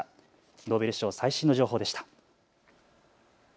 ノーベル賞、最新の情報でした。